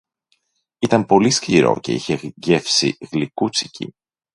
Ήταν πολύ σκληρό και είχε γεύση γλυκούτσικη.